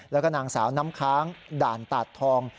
แล้วก็นางสาวน้ำค้างด่านตาดทอง